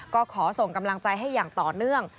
ก็ขอส่งกำลังใจให้อย่างต่อเนื่อง